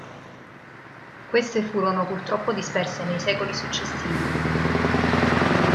Queste furono purtroppo disperse nei secoli successivi.